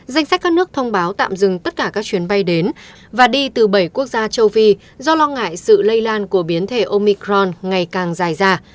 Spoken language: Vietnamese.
danh sách các nước thông báo tạm dừng tất cả các chuyến bay đến và đi từ bảy quốc gia châu phi do lo ngại sự lây lan của biến thể omicron ngày càng dài ra